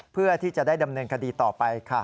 เพื่อที่จะได้ดำเนินคดีต่อไปค่ะ